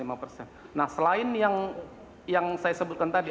nah selain yang saya sebutkan tadi itu ada juga kontribusi tambahan